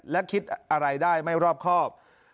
และคิดอะไรได้ไม่รอบครอบ